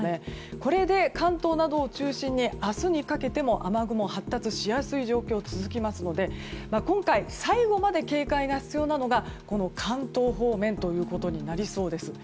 これで関東などを中心に明日にかけても雨雲が発達しやすい状況が続きますので今回、最後まで警戒が必要なのが関東方面ということになりそうです。